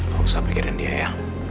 gak usah mikirin dia ya